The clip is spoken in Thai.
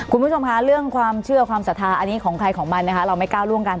คุณผู้ชมคะเรื่องความเชื่อความศรัทธาอันนี้ของใครของมันนะคะเราไม่ก้าวล่วงกัน